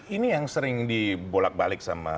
ini yang sering dibolak balik sama